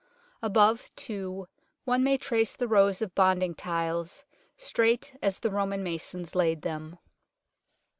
Above, too, one may trace the rows of bonding tiles, straight as the Roman masons laid them.